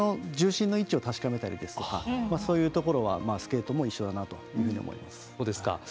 重心の位置を確かめたりですとかそういうところはスケートも一緒だと思います。